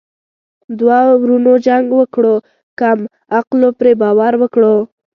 ـ دوه ورونو جنګ وکړو کم عقلو پري باور وکړو.